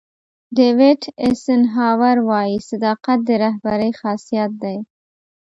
ډیوېټ ایسنهاور وایي صداقت د رهبرۍ خاصیت دی.